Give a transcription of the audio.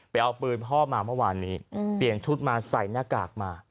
เอาปืนพ่อมาเมื่อวานนี้เปลี่ยนชุดมาใส่หน้ากากมา